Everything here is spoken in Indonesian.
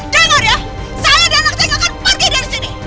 dengar ya saya dan anak saya akan pergi dari sini